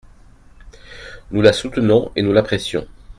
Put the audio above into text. Nous la soutenons et nous l’apprécions.